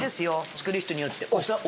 作る人によって。